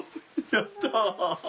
やった。